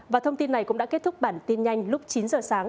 và thông tin này cũng đã kết thúc bản tin nhanh lúc chín giờ sáng